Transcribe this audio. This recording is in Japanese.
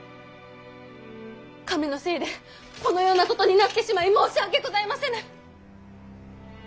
亀のせいでこのようなことになってしまい申し訳ございませぬ！